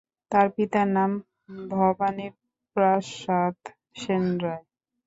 তার পিতার নাম ভবানী প্রসাদ সেন রায়।